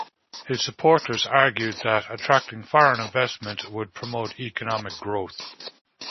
His supporters argued that attracting foreign investment would promote economic growth.